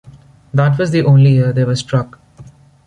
That was the only year they were struck.